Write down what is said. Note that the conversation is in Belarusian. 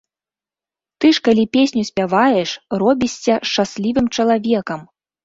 Ты ж калі песню спяваеш, робішся шчаслівым чалавекам!